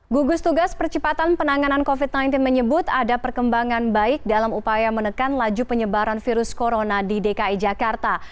gugus tugas percepatan penanganan covid sembilan belas menyebut ada perkembangan baik dalam upaya menekan laju penyebaran virus corona di dki jakarta